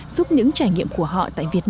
giúp những trải nghiệm của họ tại việt nam